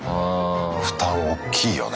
負担おっきいよね。